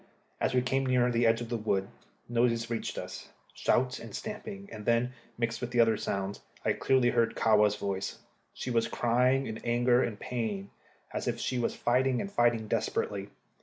As we came near the edge of the wood, noises reached us shouts and stamping; and then, mixed with the other sounds, I clearly heard Kahwa's voice. She was crying in anger and pain, as if she was fighting, and fighting desperately.